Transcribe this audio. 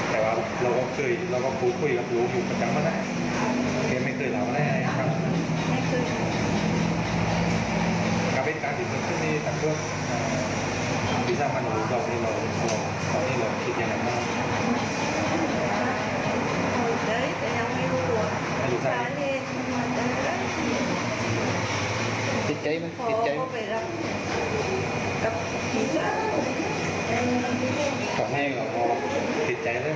พอลูกชายเลิกกับเมียก็ดูเครียดแล้วก็ปวดเป็นโรคซึมเศร้าพยายามรักษาตัวมาโดยตลอด